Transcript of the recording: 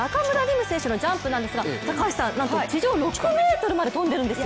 夢選手のジャンプなんですがなんと地上６ｍまで飛んでるんですよ。